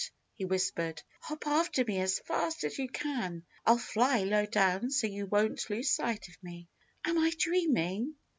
he whispered. "Hop after me as fast as you can. I'll fly low down so you won't lose sight of me." "Am I dreaming?"